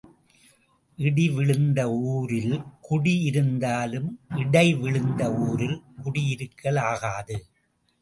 இடி விழுந்த ஊரில் குடி இருந்தாலும் இடை விழுந்த ஊரில் குடியிருக்கல் ஆகாது.